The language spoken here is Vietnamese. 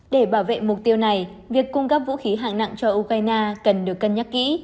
để bảo vệ mục tiêu này việc cung cấp vũ khí hạng nặng cho ukraine cần được cân nhắc kỹ